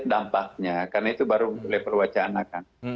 saya lihat dampaknya karena itu baru level wacana kan